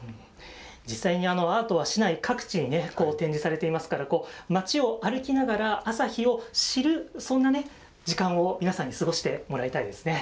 実際にアートは市内各地に展示されていますから、街を歩きながら、旭を知る、そんな時間を皆さんに過ごしてもらいたいですね。